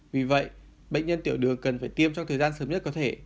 vì vậy bệnh nhân tiểu đường cần phải tiêm trong thời gian sớm nhất có thể